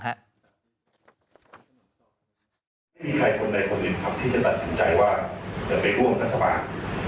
ไม่มีใครคนใดคนหนึ่งครับที่จะตัดสินใจว่าจะไปร่วมรัฐบาล